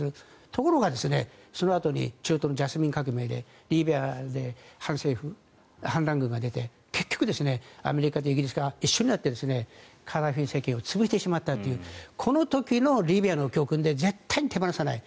ところがその後中東のジャスミン革命でリビアで反乱軍が出て結局、アメリカとイギリスが一緒になってカダフィ政権を潰してしまったというこの時のリビアの教訓で絶対に手放さない。